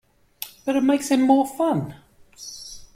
But it makes them more fun!